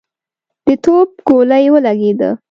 د توپ ګولۍ ولګېده.